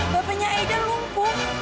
bapaknya aida lungkung